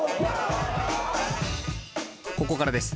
ここからです。